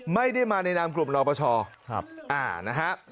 ไม่ได้มาในนามกลุ่มรอปชนะฮะ